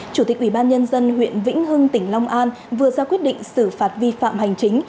chủ tịch ubnd huyện vĩnh hưng tỉnh long an vừa ra quyết định xử phạt vi phạm hành chính